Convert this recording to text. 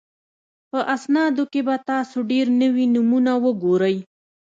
په اسنادو کې به تاسو ډېر نوي نومونه وګورئ